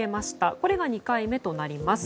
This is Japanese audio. これが２回目となります。